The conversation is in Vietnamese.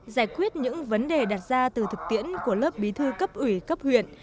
giải quyết những vấn đề đặt ra từ thực tiễn của lớp bí thư cấp ủy cấp huyện